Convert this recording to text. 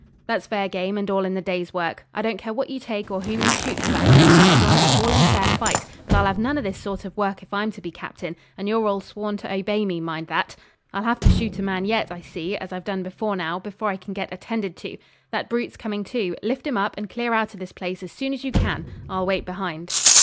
'That's fair game, and all in the day's work. I don't care what you take or whom you shoot for that matter, as long as it's all in fair fight; but I'll have none of this sort of work if I'm to be captain, and you're all sworn to obey me, mind that. I'll have to shoot a man yet, I see, as I've done before now, before I can get attended to. That brute's coming to. Lift him up, and clear out of this place as soon as you can. I'll wait behind.'